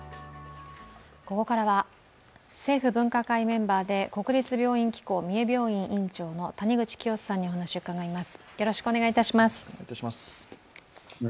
ここからは政府分科会メンバーで国立病院機構三重病院の谷口清州さんにお話を伺います。